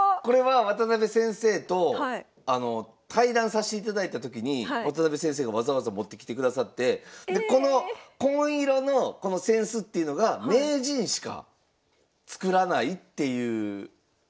これは渡辺先生と対談さしていただいた時に渡辺先生がわざわざ持ってきてくださってこの紺色のこの扇子っていうのが名人しか作らないっていう。